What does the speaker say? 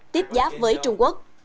tiếp giáp với trung quốc